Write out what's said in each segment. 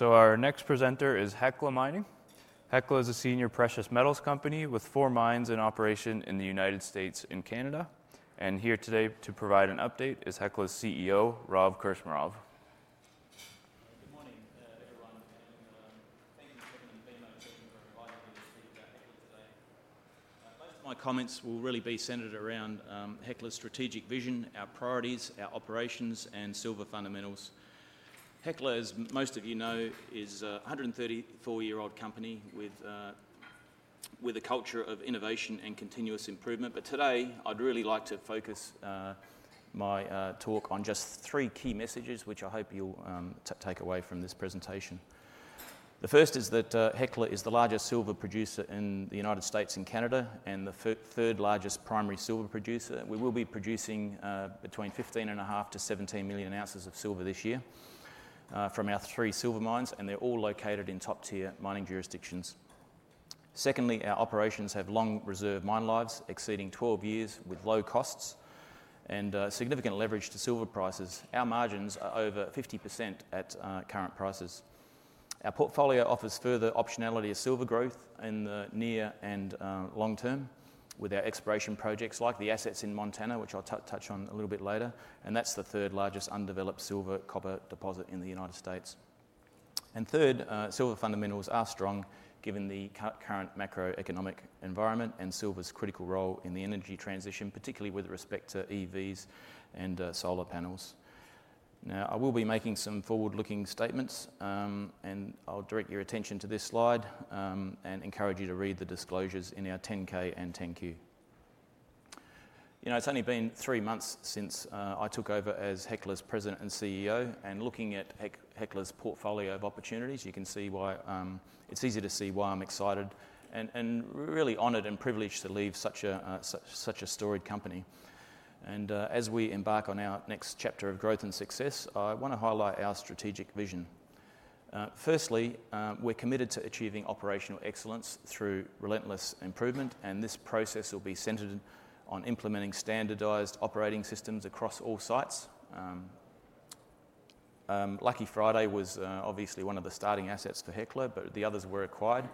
Our next presenter is Hecla Mining. Hecla is a senior precious metals company with four mines in operation in the United States and Canada. Here today to provide an update is Hecla's CEO, Rob Krcmarov. Good morning, everyone, and thank you, Stephanie, and Finn, both of you, for inviting me to speak at Hecla today. Most of my comments will really be centered around Hecla's strategic vision, our priorities, our operations, and silver fundamentals. Hecla, as most of you know, is a 134-year-old company with a culture of innovation and continuous improvement, but today I'd really like to focus my talk on just three key messages, which I hope you'll take away from this presentation. The first is that Hecla is the largest silver producer in the United States and Canada, and the third largest primary silver producer. We will be producing between 15.5 and 17 million ounces of silver this year from our three silver mines, and they're all located in top-tier mining jurisdictions. Secondly, our operations have long reserve mine lives exceeding 12 years with low costs and significant leverage to silver prices. Our margins are over 50% at current prices. Our portfolio offers further optionality of silver growth in the near and long term with our exploration projects like the assets in Montana, which I'll touch on a little bit later. And that's the third largest undeveloped silver copper deposit in the United States. And third, silver fundamentals are strong given the current macroeconomic environment and silver's critical role in the energy transition, particularly with respect to EVs and solar panels. Now, I will be making some forward-looking statements, and I'll direct your attention to this slide and encourage you to read the disclosures in our 10-K and 10-Q. You know, it's only been three months since I took over as Hecla's president and CEO. Looking at Hecla's portfolio of opportunities, you can see why it's easy to see why I'm excited and really honored and privileged to lead such a storied company. As we embark on our next chapter of growth and success, I want to highlight our strategic vision. Firstly, we're committed to achieving operational excellence through relentless improvement, and this process will be centered on implementing standardized operating systems across all sites. Lucky Friday was obviously one of the starting assets for Hecla, but the others were acquired.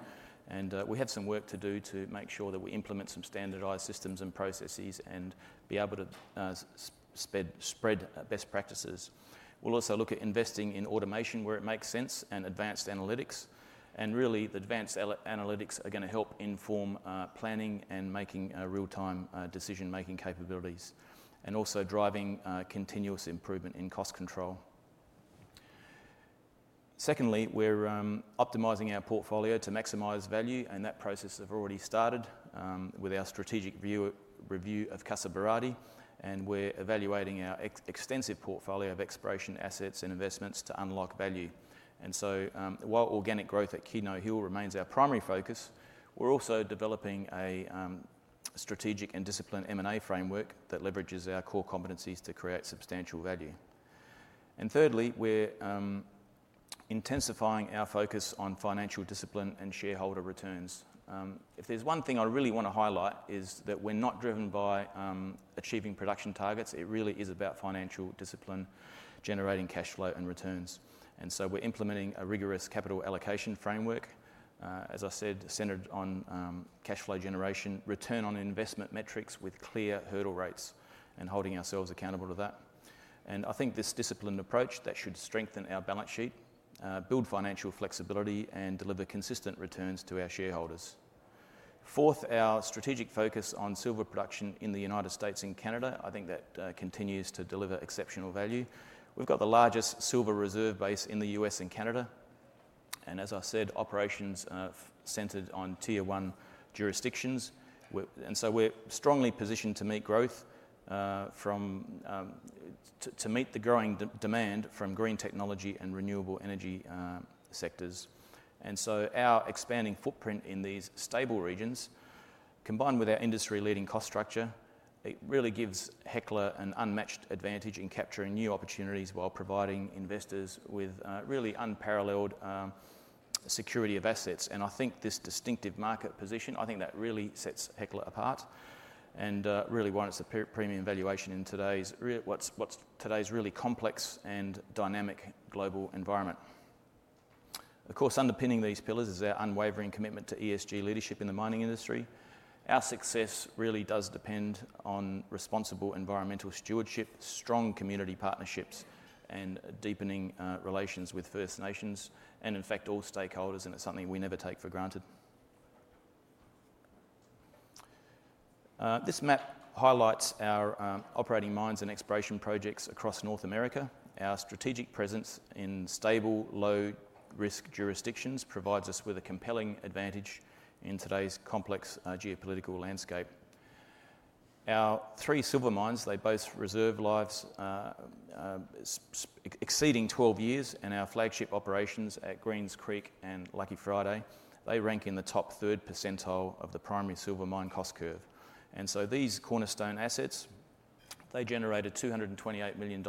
We have some work to do to make sure that we implement some standardized systems and processes and be able to spread best practices. We'll also look at investing in automation where it makes sense and advanced analytics. And really, the advanced analytics are going to help inform planning and making real-time decision-making capabilities and also driving continuous improvement in cost control. Secondly, we're optimizing our portfolio to maximize value, and that process has already started with our strategic review of Casa Berardi, and we're evaluating our extensive portfolio of exploration assets and investments to unlock value. And so, while organic growth at Keno Hill remains our primary focus, we're also developing a strategic and disciplined M&A framework that leverages our core competencies to create substantial value. And thirdly, we're intensifying our focus on financial discipline and shareholder returns. If there's one thing I really want to highlight, it is that we're not driven by achieving production targets. It really is about financial discipline, generating cash flow and returns. We're implementing a rigorous capital allocation framework, as I said, centered on cash flow generation, return on investment metrics with clear hurdle rates, and holding ourselves accountable to that. I think this disciplined approach should strengthen our balance sheet, build financial flexibility, and deliver consistent returns to our shareholders. Fourth, our strategic focus on silver production in the United States and Canada. I think that continues to deliver exceptional value. We've got the largest silver reserve base in the U.S. and Canada. As I said, operations are centered on tier one jurisdictions. We're strongly positioned to meet the growing demand from green technology and renewable energy sectors. Our expanding footprint in these stable regions, combined with our industry-leading cost structure, really gives Hecla an unmatched advantage in capturing new opportunities while providing investors with really unparalleled security of assets. I think this distinctive market position, I think that really sets Hecla apart and really warrants a premium valuation in what's today's really complex and dynamic global environment. Of course, underpinning these pillars is our unwavering commitment to ESG leadership in the mining industry. Our success really does depend on responsible environmental stewardship, strong community partnerships, and deepening relations with First Nations and, in fact, all stakeholders, and it's something we never take for granted. This map highlights our operating mines and exploration projects across North America. Our strategic presence in stable, low-risk jurisdictions provides us with a compelling advantage in today's complex geopolitical landscape. Our three silver mines, they both reserve lives exceeding 12 years, and our flagship operations at Greens Creek and Lucky Friday, they rank in the top third percentile of the primary silver mine cost curve. And so, these cornerstone assets, they generated $228 million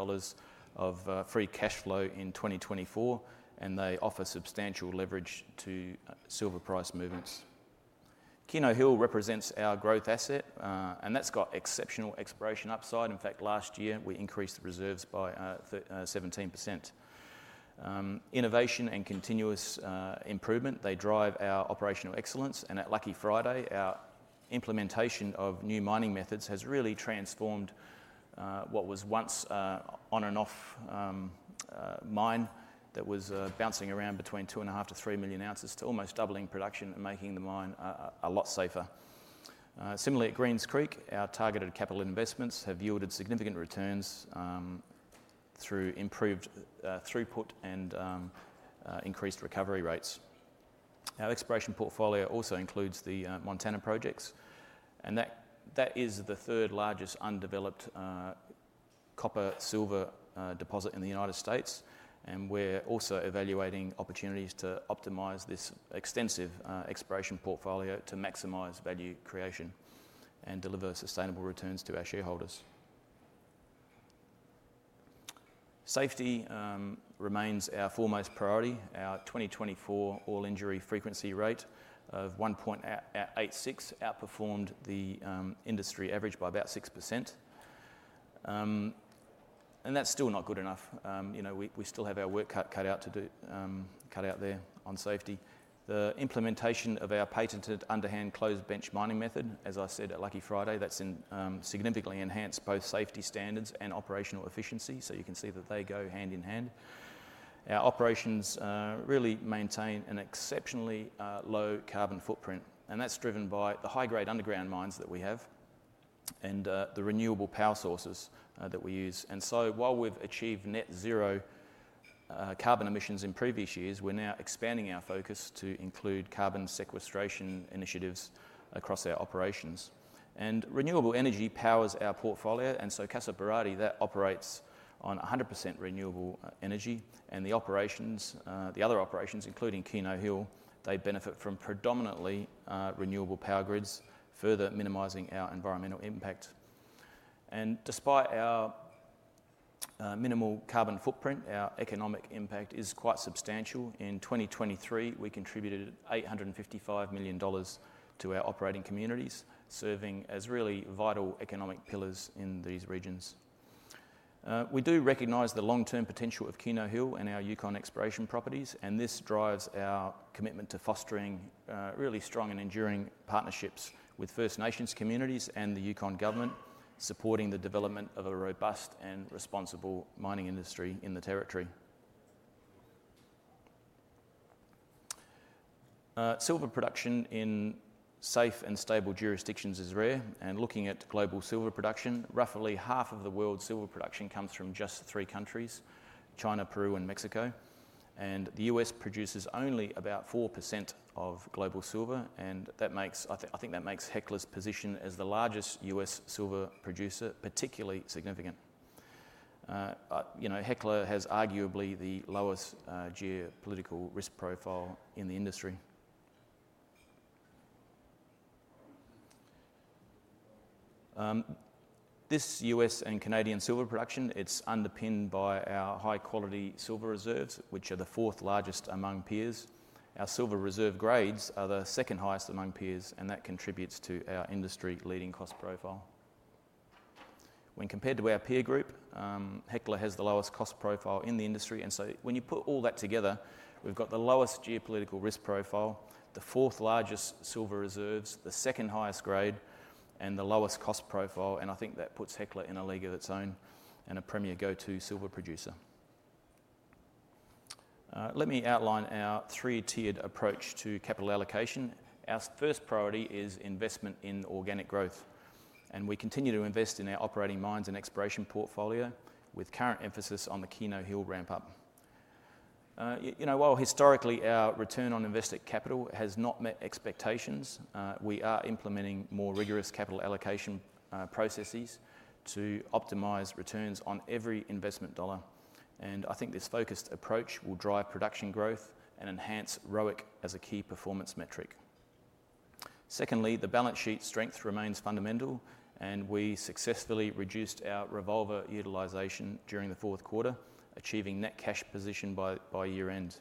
of free cash flow in 2024, and they offer substantial leverage to silver price movements. Keno Hill represents our growth asset, and that's got exceptional exploration upside. In fact, last year, we increased the reserves by 17%. Innovation and continuous improvement, they drive our operational excellence. And at Lucky Friday, our implementation of new mining methods has really transformed what was once on-and-off mine that was bouncing around between two and a half to three million ounces to almost doubling production and making the mine a lot safer. Similarly, at Greens Creek, our targeted capital investments have yielded significant returns through improved throughput and increased recovery rates. Our exploration portfolio also includes the Montana projects, and that is the third largest undeveloped copper-silver deposit in the United States. We're also evaluating opportunities to optimize this extensive exploration portfolio to maximize value creation and deliver sustainable returns to our shareholders. Safety remains our foremost priority. Our 2024 All-Injury Frequency Rate of 1.86 outperformed the industry average by about 6%. That's still not good enough. You know, we still have our work cut out to do there on safety. The implementation of our patented Underhand Closed Bench mining method, as I said at Lucky Friday, that's significantly enhanced both safety standards and operational efficiency. You can see that they go hand in hand. Our operations really maintain an exceptionally low carbon footprint, and that's driven by the high-grade underground mines that we have and the renewable power sources that we use. While we've achieved net zero carbon emissions in previous years, we're now expanding our focus to include carbon sequestration initiatives across our operations. Renewable energy powers our portfolio. Casa Berardi that operates on 100% renewable energy. The other operations, including Keno Hill, they benefit from predominantly renewable power grids, further minimizing our environmental impact. Despite our minimal carbon footprint, our economic impact is quite substantial. In 2023, we contributed $855 million to our operating communities, serving as really vital economic pillars in these regions. We do recognize the long-term potential of Keno Hill and our Yukon exploration properties, and this drives our commitment to fostering really strong and enduring partnerships with First Nations communities and the Yukon government, supporting the development of a robust and responsible mining industry in the territory. Silver production in safe and stable jurisdictions is rare. Looking at global silver production, roughly half of the world's silver production comes from just three countries: China, Peru, and Mexico. The U.S. produces only about 4% of global silver, and I think that makes Hecla's position as the largest U.S. silver producer particularly significant. You know, Hecla has arguably the lowest geopolitical risk profile in the industry. This U.S. and Canadian silver production, it's underpinned by our high-quality silver reserves, which are the fourth largest among peers. Our silver reserve grades are the second highest among peers, and that contributes to our industry-leading cost profile. When compared to our peer group, Hecla has the lowest cost profile in the industry. When you put all that together, we've got the lowest geopolitical risk profile, the fourth largest silver reserves, the second highest grade, and the lowest cost profile. I think that puts Hecla in a league of its own and a premier go-to silver producer. Let me outline our three-tiered approach to capital allocation. Our first priority is investment in organic growth. We continue to invest in our operating mines and exploration portfolio with current emphasis on the Keno Hill ramp-up. You know, while historically our return on invested capital has not met expectations, we are implementing more rigorous capital allocation processes to optimize returns on every investment dollar. I think this focused approach will drive production growth and enhance ROIC as a key performance metric. Secondly, the balance sheet strength remains fundamental, and we successfully reduced our revolver utilization during the fourth quarter, achieving net cash position by year-end.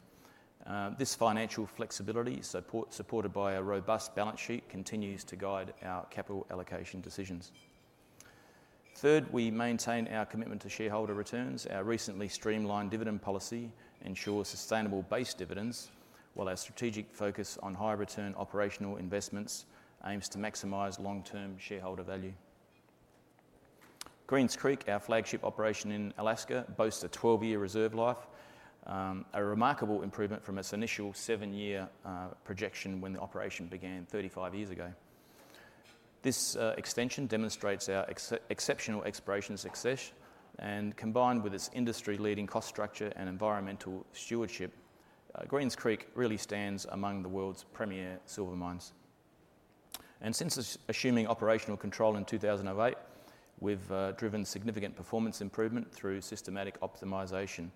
This financial flexibility, supported by a robust balance sheet, continues to guide our capital allocation decisions. Third, we maintain our commitment to shareholder returns. Our recently streamlined dividend policy ensures sustainable base dividends, while our strategic focus on high-return operational investments aims to maximize long-term shareholder value. Greens Creek, our flagship operation in Alaska, boasts a 12-year reserve life, a remarkable improvement from its initial seven-year projection when the operation began 35 years ago. This extension demonstrates our exceptional exploration success, and combined with its industry-leading cost structure and environmental stewardship, Greens Creek really stands among the world's premier silver mines, and since assuming operational control in 2008, we've driven significant performance improvement through systematic optimization.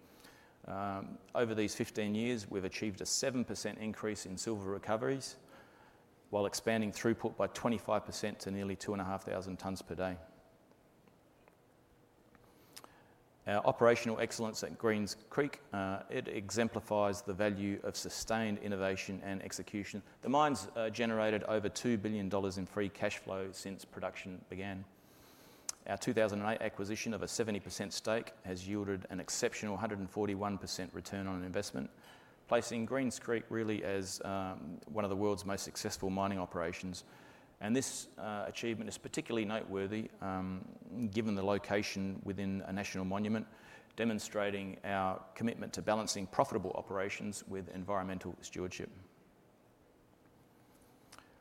Over these 15 years, we've achieved a 7% increase in silver recoveries while expanding throughput by 25% to nearly 2,500 tons per day. Our operational excellence at Greens Creek, it exemplifies the value of sustained innovation and execution. The mines generated over $2 billion in free cash flow since production began. Our 2008 acquisition of a 70% stake has yielded an exceptional 141% return on investment, placing Greens Creek really as one of the world's most successful mining operations, and this achievement is particularly noteworthy given the location within a national monument, demonstrating our commitment to balancing profitable operations with environmental stewardship.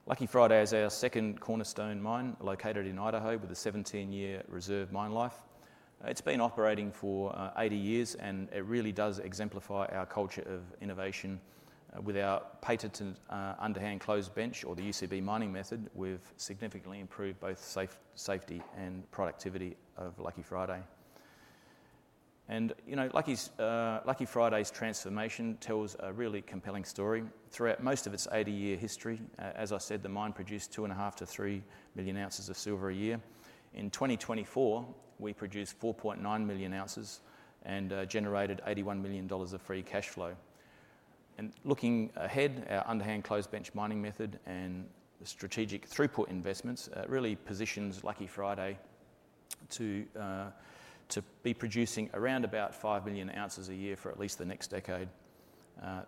Lucky Friday is our second cornerstone mine located in Idaho with a 17-year reserve mine life. It's been operating for 80 years, and it really does exemplify our culture of innovation with our patented Underhand Closed Bench or the UCB mining method. We've significantly improved both safety and productivity of Lucky Friday, and, you know, Lucky Friday's transformation tells a really compelling story. Throughout most of its 80-year history, as I said, the mine produced two and a half to three million ounces of silver a year. In 2024, we produced 4.9 million ounces and generated $81 million of free cash flow. And looking ahead, our underhand closed bench mining method and the strategic throughput investments really positions Lucky Friday to be producing around about 5 million ounces a year for at least the next decade,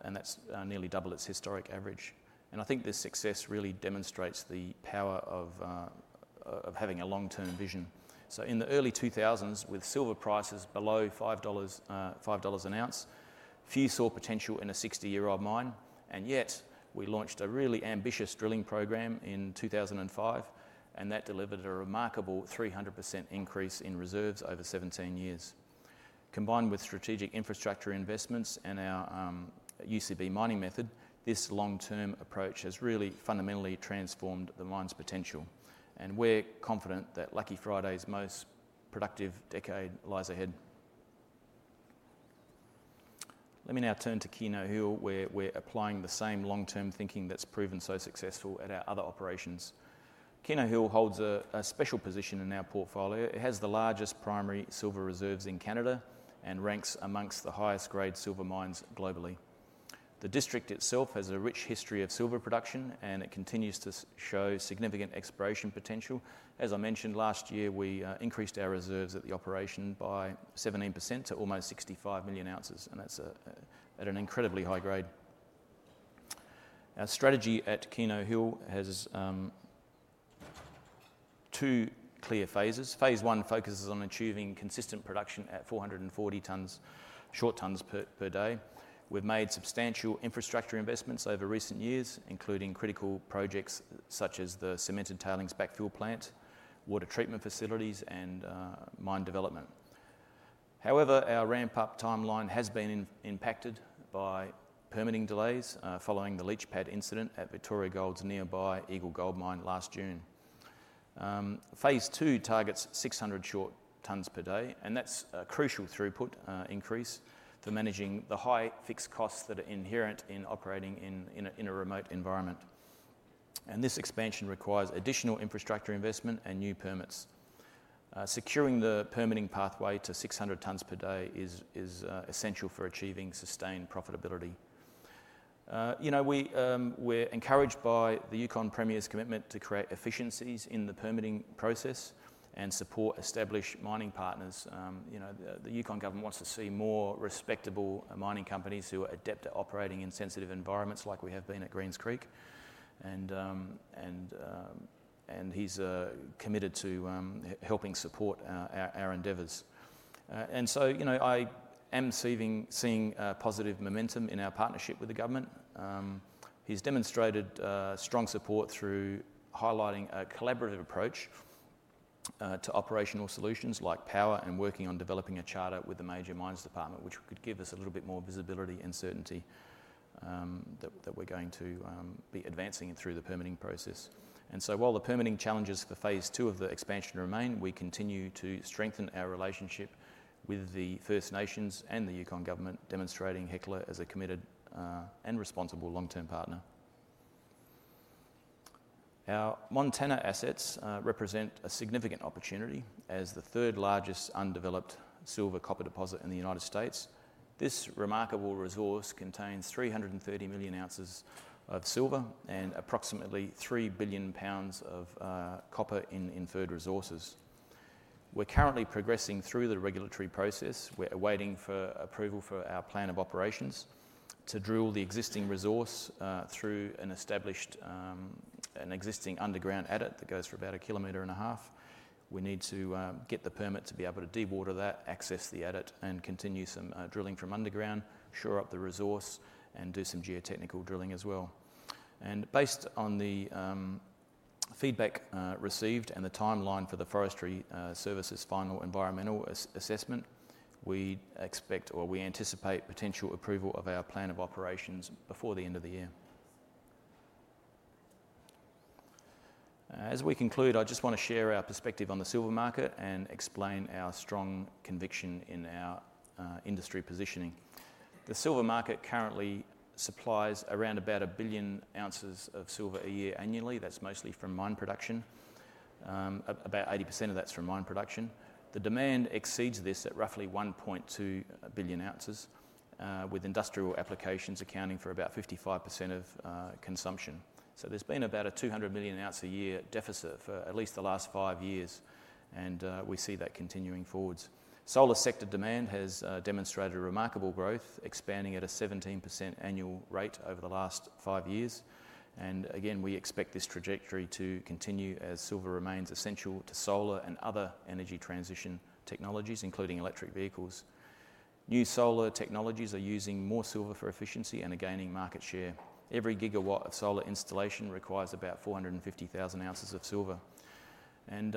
and that's nearly double its historic average. And I think this success really demonstrates the power of having a long-term vision. So, in the early 2000s, with silver prices below $5 an ounce, few saw potential in a 60-year-old mine. And yet, we launched a really ambitious drilling program in 2005, and that delivered a remarkable 300% increase in reserves over 17 years. Combined with strategic infrastructure investments and our UCB mining method, this long-term approach has really fundamentally transformed the mine's potential. And we're confident that Lucky Friday's most productive decade lies ahead. Let me now turn to Keno Hill, where we're applying the same long-term thinking that's proven so successful at our other operations. Keno Hill holds a special position in our portfolio. It has the largest primary silver reserves in Canada and ranks amongst the highest-grade silver mines globally. The district itself has a rich history of silver production, and it continues to show significant exploration potential. As I mentioned, last year, we increased our reserves at the operation by 17% to almost 65 million ounces, and that's at an incredibly high grade. Our strategy at Keno Hill has two clear phases. Phase one focuses on achieving consistent production at 440 short tons per day. We've made substantial infrastructure investments over recent years, including critical projects such as the cemented tailings backfill plant, water treatment facilities, and mine development. However, our ramp-up timeline has been impacted by permitting delays following the leach pad incident at Victoria Gold's nearby Eagle Gold Mine last June. Phase two targets 600 short tons per day, and that's a crucial throughput increase for managing the high fixed costs that are inherent in operating in a remote environment, and this expansion requires additional infrastructure investment and new permits. Securing the permitting pathway to 600 tons per day is essential for achieving sustained profitability. You know, we're encouraged by the Yukon Premier's commitment to create efficiencies in the permitting process and support established mining partners. You know, the Yukon government wants to see more respectable mining companies who are adept at operating in sensitive environments like we have been at Greens Creek, and he's committed to helping support our endeavors, and so, you know, I am seeing positive momentum in our partnership with the government. He's demonstrated strong support through highlighting a collaborative approach to operational solutions like power and working on developing a charter with the major mines department, which could give us a little bit more visibility and certainty that we're going to be advancing through the permitting process, and so, while the permitting challenges for phase two of the expansion remain, we continue to strengthen our relationship with the First Nations and the Yukon government, demonstrating Hecla as a committed and responsible long-term partner. Our Montana assets represent a significant opportunity as the third largest undeveloped silver copper deposit in the United States. This remarkable resource contains 330 million ounces of silver and approximately three billion pounds of copper in inferred resources. We're currently progressing through the regulatory process. We're awaiting for approval for our plan of operations to drill the existing resource through an existing underground adit that goes for about a kilometer and a half. We need to get the permit to be able to dewater that, access the adit, and continue some drilling from underground, shore up the resource, and do some geotechnical drilling as well. And based on the feedback received and the timeline for the Forestry Service's final environmental assessment, we expect or we anticipate potential approval of our plan of operations before the end of the year. As we conclude, I just want to share our perspective on the silver market and explain our strong conviction in our industry positioning. The silver market currently supplies around about a billion ounces of silver a year annually. That's mostly from mine production. About 80% of that's from mine production. The demand exceeds this at roughly 1.2 billion ounces, with industrial applications accounting for about 55% of consumption. So, there's been about a 200 million ounce a year deficit for at least the last five years, and we see that continuing forward. Solar sector demand has demonstrated remarkable growth, expanding at a 17% annual rate over the last five years. And again, we expect this trajectory to continue as silver remains essential to solar and other energy transition technologies, including electric vehicles. New solar technologies are using more silver for efficiency and are gaining market share. Every gigawatt of solar installation requires about 450,000 ounces of silver. And,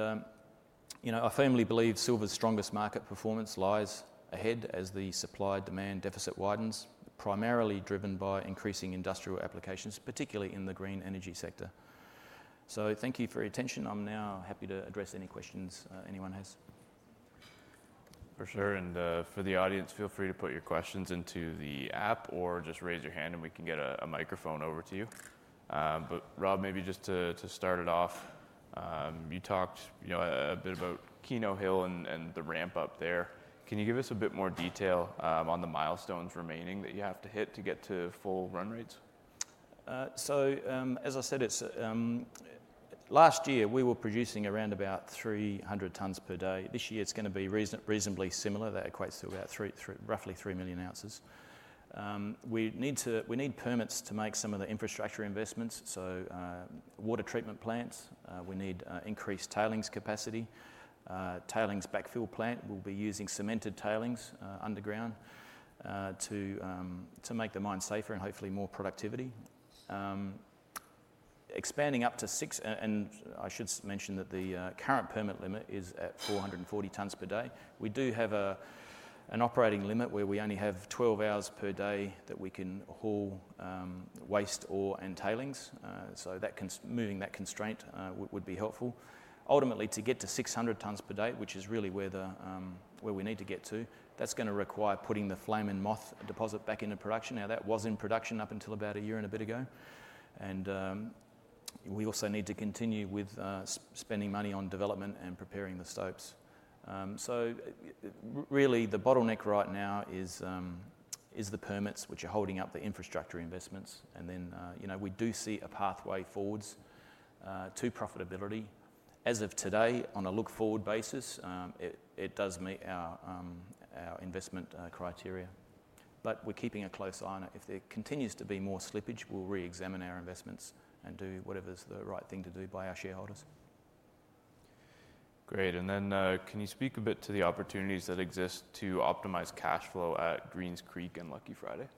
you know, I firmly believe silver's strongest market performance lies ahead as the supply-demand deficit widens, primarily driven by increasing industrial applications, particularly in the green energy sector. So, thank you for your attention. I'm now happy to address any questions anyone has. For sure. And for the audience, feel free to put your questions into the app or just raise your hand, and we can get a microphone over to you. But, Rob, maybe just to start it off, you talked, you know, a bit about Keno Hill and the ramp-up there. Can you give us a bit more detail on the milestones remaining that you have to hit to get to full run rates? So, as I said, last year we were producing around about 300 tons per day. This year it's going to be reasonably similar. That equates to about roughly 3 million ounces. We need permits to make some of the infrastructure investments. So, water treatment plants, we need increased tailings capacity. Tailings backfill plant, we'll be using cemented tailings underground to make the mine safer and hopefully more productivity. Expanding up to six, and I should mention that the current permit limit is at 440 tons per day. We do have an operating limit where we only have 12 hours per day that we can haul waste ore and tailings. So, that moving that constraint would be helpful. Ultimately, to get to 600 tons per day, which is really where we need to get to, that's going to require putting the Flame & Moth deposit back into production. Now, that was in production up until about a year and a bit ago. And we also need to continue with spending money on development and preparing the stopes. So, really, the bottleneck right now is the permits, which are holding up the infrastructure investments. And then, you know, we do see a pathway forwards to profitability. As of today, on a look-forward basis, it does meet our investment criteria. But we're keeping a close eye on it. If there continues to be more slippage, we'll re-examine our investments and do whatever's the right thing to do by our shareholders. Great. And then can you speak a bit to the opportunities that exist to optimize cash flow at Greens Creek and Lucky Friday?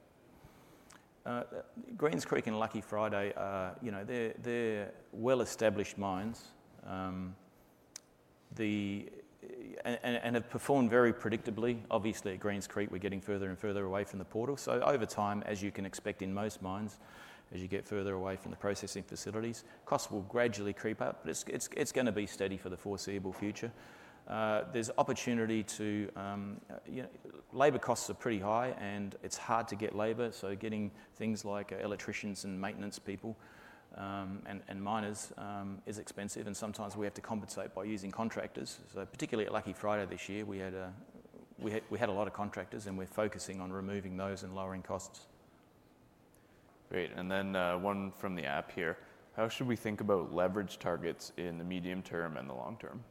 Greens Creek and Lucky Friday, you know, they're well-established mines and have performed very predictably. Obviously, at Greens Creek, we're getting further and further away from the portal. So, over time, as you can expect in most mines, as you get further away from the processing facilities, costs will gradually creep up, but it's going to be steady for the foreseeable future. There's opportunity to, you know, labor costs are pretty high, and it's hard to get labor. So, getting things like electricians and maintenance people and miners is expensive. And sometimes we have to compensate by using contractors. So, particularly at Lucky Friday this year, we had a lot of contractors, and we're focusing on removing those and lowering costs. Great. And then one from the app here. How should we think about leverage targets in the medium term and the long term?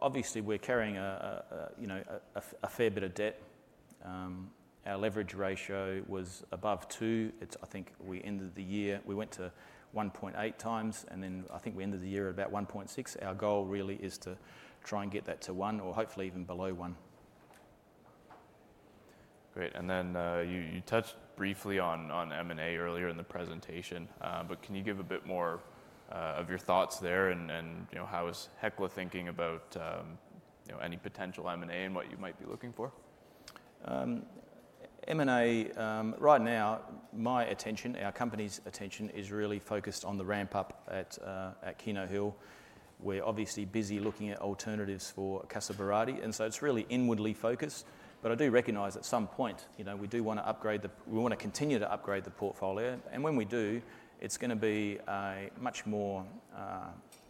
Obviously, we're carrying, you know, a fair bit of debt. Our leverage ratio was above two. It's, I think we ended the year, we went to 1.8 times, and then I think we ended the year at about 1.6. Our goal really is to try and get that to one or hopefully even below one. Great. And then you touched briefly on M&A earlier in the presentation, but can you give a bit more of your thoughts there and, you know, how is Hecla thinking about, you know, any potential M&A and what you might be looking for? M&A right now, my attention, our company's attention is really focused on the ramp-up at Keno Hill. We're obviously busy looking at alternatives for Casa Berardi, and so it's really inwardly focused. But I do recognize at some point, you know, we do want to upgrade the, we want to continue to upgrade the portfolio. And when we do, it's going to be a much more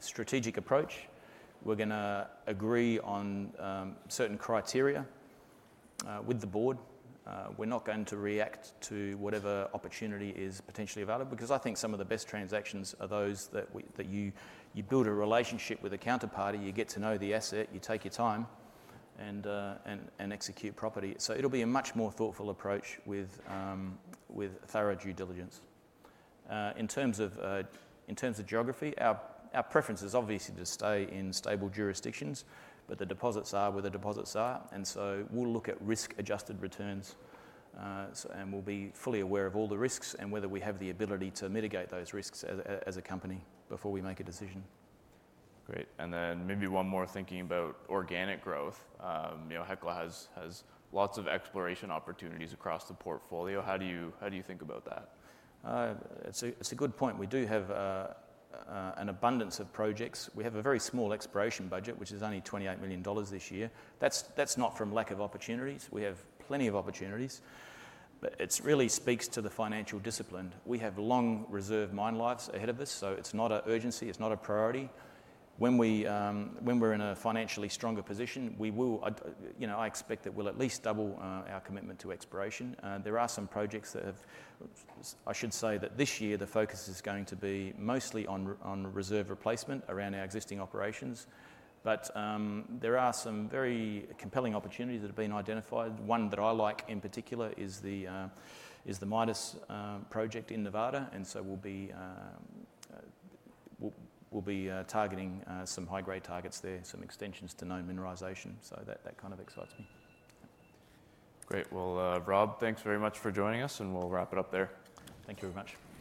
strategic approach. We're going to agree on certain criteria with the board. We're not going to react to whatever opportunity is potentially available because I think some of the best transactions are those that you build a relationship with a counterparty, you get to know the asset, you take your time and execute properly. So, it'll be a much more thoughtful approach with thorough due diligence. In terms of geography, our preference is obviously to stay in stable jurisdictions, but the deposits are where the deposits are. And so, we'll look at risk-adjusted returns and we'll be fully aware of all the risks and whether we have the ability to mitigate those risks as a company before we make a decision. Great. And then maybe one more thinking about organic growth. You know, Hecla has lots of exploration opportunities across the portfolio. How do you think about that? It's a good point. We do have an abundance of projects. We have a very small exploration budget, which is only $28 million this year. That's not from lack of opportunities. We have plenty of opportunities, but it really speaks to the financial discipline. We have long reserve mine lives ahead of us, so it's not an urgency. It's not a priority. When we're in a financially stronger position, we will, you know, I expect that we'll at least double our commitment to exploration. There are some projects that have, I should say that this year the focus is going to be mostly on reserve replacement around our existing operations. But there are some very compelling opportunities that have been identified. One that I like in particular is the Midas project in Nevada. And so, we'll be targeting some high-grade targets there, some extensions to known mineralization. So, that kind of excites me. Great. Rob, thanks very much for joining us, and we'll wrap it up there. Thank you very much.